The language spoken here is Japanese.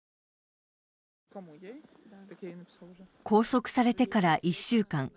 拘束されてから１週間。